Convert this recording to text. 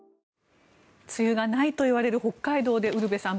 梅雨がないといわれる北海道でウルヴェさん